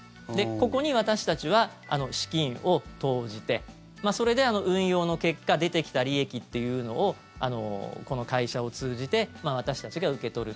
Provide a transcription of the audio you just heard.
ここに私たちは資金を投じてそれで運用の結果出てきた利益っていうのをこの会社を通じて私たちが受け取る。